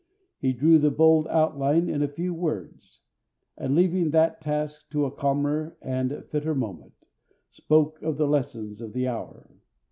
He drew the bold outline in a few words, and leaving that task to a calmer and fitter moment, spoke of the lessons of the hour.